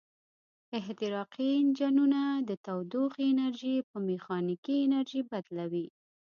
احتراقي انجنونه د تودوخې انرژي په میخانیکي انرژي بدلوي.